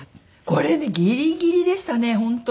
これねギリギリでしたね本当に。